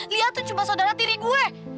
lia tuh cuma saudara tiri gue